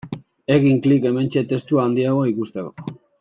Egin klik hementxe testua handiago ikusteko.